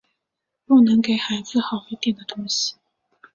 不能给孩子好一点的东西